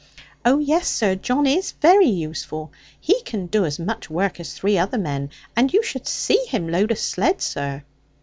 'Oh yes, sir, John is very useful. He can do as much work as three other men; and you should see him load a sledd, sir.'